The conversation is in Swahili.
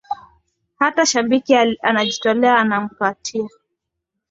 hata shabiki anajitolea anampatia